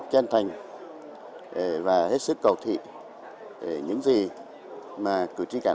chân thành và hết sức cầu thị những gì mà cử tri cả